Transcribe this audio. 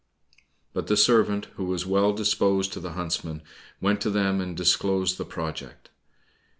But the servant, who was well disposed to the huntsmen, went to them, and disclosed the project.